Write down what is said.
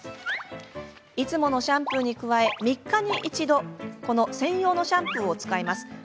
いつものシャンプーに加え３日に一度この専用のシャンプーを使います。